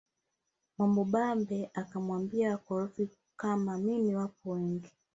Mwamubambe akamwambia wakorofi kama mimi wapo wengi